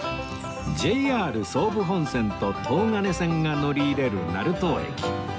ＪＲ 総武本線と東金線が乗り入れる成東駅